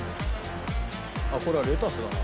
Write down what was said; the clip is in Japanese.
あっこれはレタスだな。